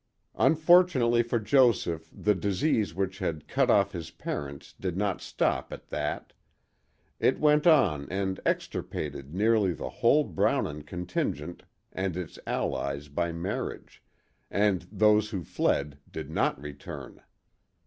Unfortunately for Joseph the disease which had cut off his parents did not stop at that; it went on and extirpated nearly the whole Brownon contingent and its allies by marriage; and those who fled did not return.